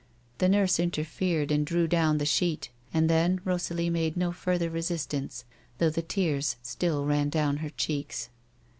The nurse interfered and drew down the sheet, and then Rosalie made no further resistance, though the tears still ran down her cheeks.